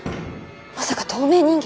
まさか透明人間？